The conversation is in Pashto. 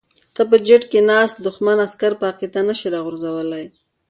ته په جیټ کې ناست دښمن عسکر په عقیده نشې راغورځولی.